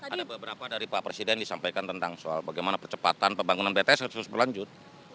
ada beberapa dari pak presiden disampaikan tentang soal bagaimana percepatan pembangunan bts harus terus berlanjut